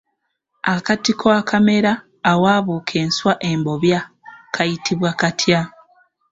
Akatiko akamera awabuuka enswa embobya kayitibwa katya?